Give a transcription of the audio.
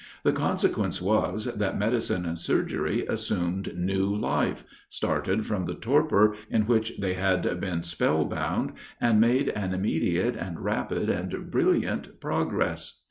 The consequence was, that medicine and surgery assumed new life started from the torpor in which they had been spell bound and made an immediate, and rapid, and brilliant progress.